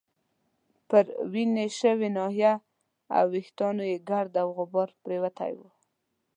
پر وینې شوې ناحیه او وریښتانو يې ګرد او غبار پرېوتی وو.